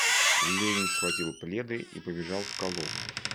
Левин схватил пледы и побежал в Колок.